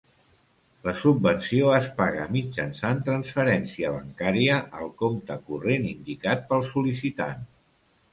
La subvenció es paga mitjançant transferència bancària al compte corrent indicat pel sol·licitant.